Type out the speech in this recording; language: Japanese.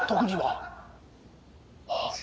ああ。